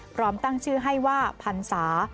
พร้อมตั้งชื่อให้ว่าพันศา